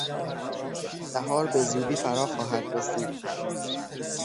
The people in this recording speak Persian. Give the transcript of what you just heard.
بهار بزودی فرا خواهد رسید.